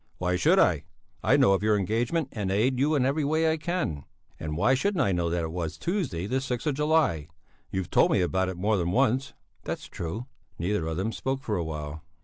"Why should I? I know of your engagement and aid you in every way I can. And why shouldn't I know that it was Tuesday the sixth of July? You've told me about it more than once." "That's true!" Neither of them spoke for a while.